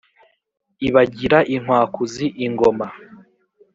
ibagira inkwakuzi ingoma.